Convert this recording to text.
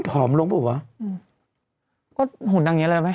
หอมลงป่ะวะก็หุ่นดังนี้เลยไหม